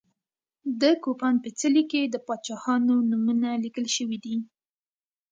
د کوپان په څلي کې د پاچاهانو نومونه لیکل شوي دي.